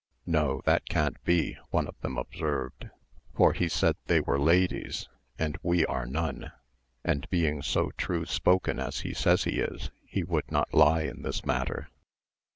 "No, that can't be," one of them observed; "for he said they were ladies, and we are none; and being so true spoken as he says he is, he would not lie in this matter."